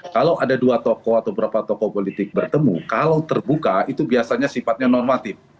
kalau ada dua tokoh atau beberapa tokoh politik bertemu kalau terbuka itu biasanya sifatnya normatif